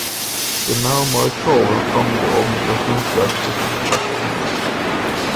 De närmare kraven framgår av Migrationsverkets praxis.